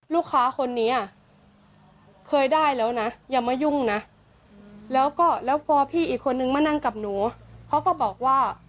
ลูกค้าคนนี้อ่ะเคยได้แล้วนะอย่ามายุ่งนะแล้วก็แล้วพอพี่อีกคนนึงมานั่งกับหนูเขาก็บอกว่า